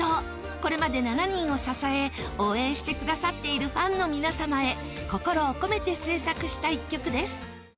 これまで７人を支え応援してくださっているファンの皆様へ心を込めて制作した一曲です